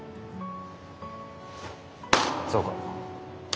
そうか。